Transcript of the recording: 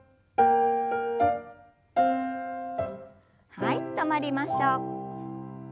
はい止まりましょう。